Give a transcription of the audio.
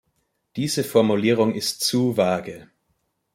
Diese Formulierung ist zu vage.